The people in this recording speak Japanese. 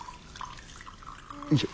よいしょ。